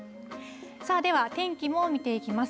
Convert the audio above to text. では天気も見ていきます。